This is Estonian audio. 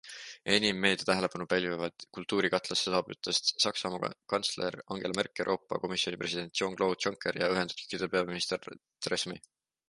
Enim meedia tähelepanu pälvivad Kultuurikatlasse saabujatest Saksamaa kantsler Angela Merkel, Euroopa Komisjoni president Jean-Claude Juncker ja Ühendkuningriigi peaminister Theresa May.